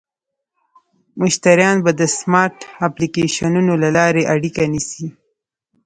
مشتریان به د سمارټ اپلیکیشنونو له لارې اړیکه نیسي.